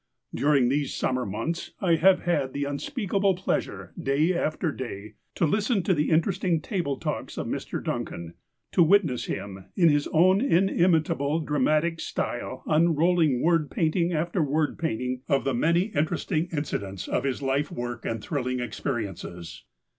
During these summer months I have had the unspeak able pleasure, day after day, to listen to the interesting table talks of Mr. Duncan, to witness him in his own in imitable dramatic style unrolling word painting after word painting of the many interesting incidents of his life work and thrilling experiences.